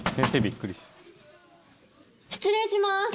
失礼します